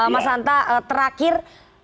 mas hanta terakhir